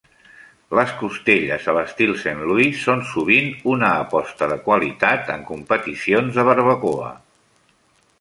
Les costelles a l'estil de Saint Louis són sovint una aposta de qualitat en competicions de barbacoa.